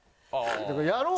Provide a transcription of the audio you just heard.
やろうよ！